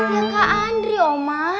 ya kak andri oma